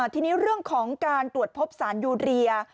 ทีนี้เรื่องของการตรวจพบสารยูเรีย